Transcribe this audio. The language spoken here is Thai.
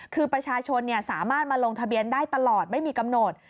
คือประชาชนสามารถมาลงทะเบียนได้ตลอดไม่มีกำหนด